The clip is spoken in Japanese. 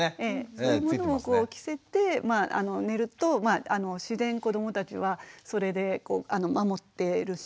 そういうものを着せてまあ寝ると自然に子どもたちはそれで守ってるし。